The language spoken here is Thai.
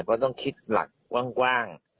เพราะต้องคิดหลักกว้าง